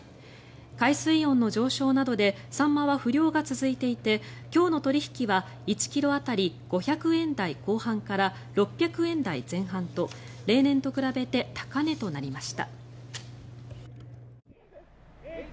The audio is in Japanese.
海水温の上昇などでサンマは不漁が続いていて今日の取引は１ｋｇ当たり５００円台後半から６００円台前半と例年と比べて高値となりました。